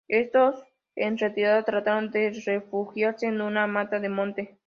Estos en retirada trataron de refugiarse en una mata de monte.